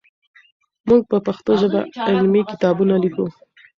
موږ په پښتو ژبه علمي کتابونه لیکو.